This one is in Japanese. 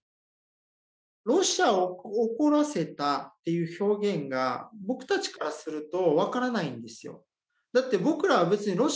「ロシアを怒らせた」っていう表現が僕たちからすると分からないんですよ。